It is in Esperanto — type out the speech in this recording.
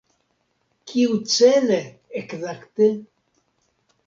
Kiucele ekzakte?